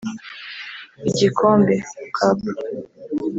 Igikombe (Cup)